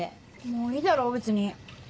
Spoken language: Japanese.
もういいだろ別に。